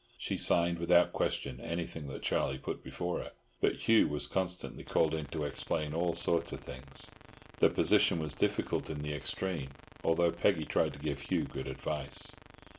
She signed without question anything that Charlie put before her, but Hugh was constantly called in to explain all sorts of things. The position was difficult in the extreme, although Peggy tried to give Hugh good advice.